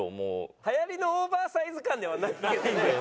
はやりのオーバーサイズ感ではないけどね。